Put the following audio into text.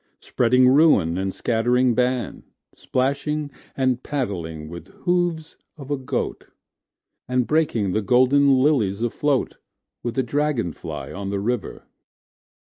Spreading ruin and scattering ban, Splashing and paddling with hoofs of a goat, And breaking the golden lilies afloatWith the dragon fly on the river.